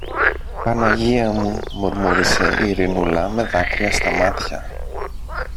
Παναγία μου! μουρμούρισε η Ειρηνούλα με δάκρυα στα μάτια.